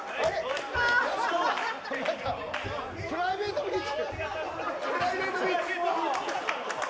プライベートビーチ。